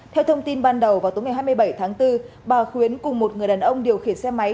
theo thông tin ban đầu vào tối ngày hai mươi bảy tháng bốn bà khuyến cùng một người đàn ông điều khiển xe máy